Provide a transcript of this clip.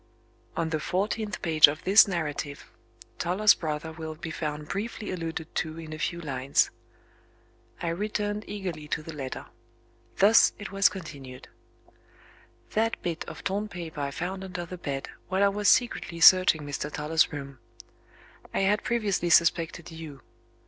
On the fourteenth page of this narrative Toller's brother will be found briefly alluded to in a few lines. I returned eagerly to the letter. Thus it was continued: "That bit of torn paper I found under the bed, while I was secretly searching Mr. Toller's room. I had previously suspected You.